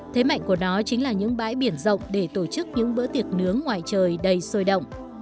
thế mạnh của nó chính là những bãi biển rộng để tổ chức những bữa tiệc nướng ngoài trời đầy sôi động